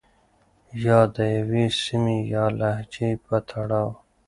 يا د يوې سيمې يا لهجې په تړاو